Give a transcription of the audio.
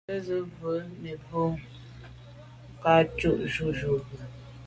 Nke nsôg mbu mi mebwô kà njôg njù juju.